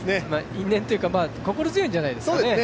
因縁というか、心強いんじゃないですかね。